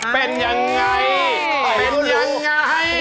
เป็นอย่างไร